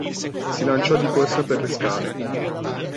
Si lanciò di corsa per le scale.